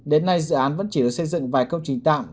đến nay dự án vẫn chỉ được xây dựng vài công trình tạm